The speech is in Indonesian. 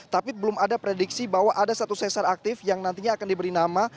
tapi belum ada prediksi bahwa ada satu sesar aktif yang nantinya akan diberi nama